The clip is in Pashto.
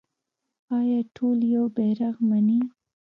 آیا ټول یو بیرغ مني؟